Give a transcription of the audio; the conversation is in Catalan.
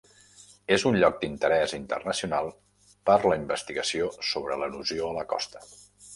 És un lloc d'interès internacional per la investigació sobre l'erosió a la costa.